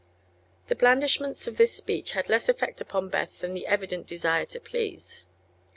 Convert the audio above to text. The blandishments of this speech had less effect upon Beth than the evident desire to please.